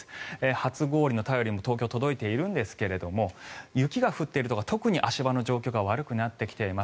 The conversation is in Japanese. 初氷の便りも東京、届いているんですが雪が降っているところは特に足場の状況が悪くなってきています。